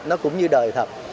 nó cũng như đời thật